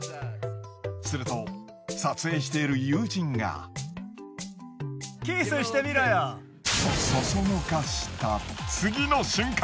すると撮影している友人が。とそそのかした次の瞬間！